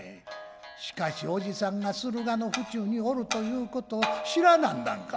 しかしおじさんが駿河の府中におるということ知らなんだんか。